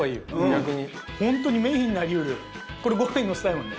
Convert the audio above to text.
逆にホントにメインになりうるこれごはんにのせたいもんね